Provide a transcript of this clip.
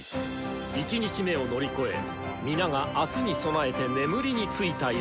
１日目を乗り越え皆が明日に備えて眠りについた夜。